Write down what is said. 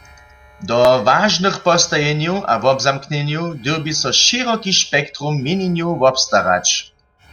Do wažnych postajenjow a wobzamknjenjow dyrbi so šěroki spektrum měnjenjow wobstarać.